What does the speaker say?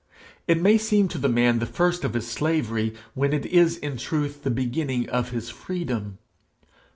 It may seem to the man the first of his slavery when it is in truth the beginning of his freedom.